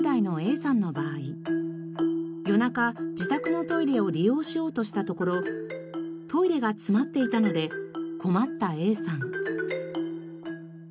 夜中自宅のトイレを利用しようとしたところトイレが詰まっていたので困ったＡさん。